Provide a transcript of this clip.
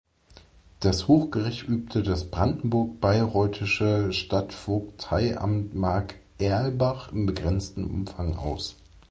Das Hochgericht übte das brandenburg-bayreuthische Stadtvogteiamt Markt Erlbach im begrenzten Umfang aus.